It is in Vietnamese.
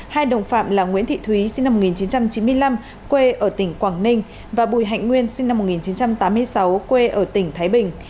hai đồng phạm là nguyễn thị thúy sinh năm một nghìn chín trăm chín mươi năm quê ở tỉnh quảng ninh và bùi hạnh nguyên sinh năm một nghìn chín trăm tám mươi sáu quê ở tỉnh thái bình